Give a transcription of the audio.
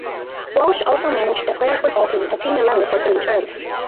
Walsh also managed the Clare football team at senior level for three terms.